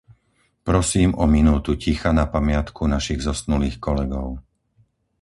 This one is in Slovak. Prosím o minútu ticha na pamiatku našich zosnulých kolegov.